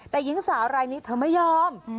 แต่หญิงสาวรายนี้เธอไม่ยอม